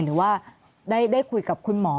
หรือว่าได้คุยกับคุณหมอ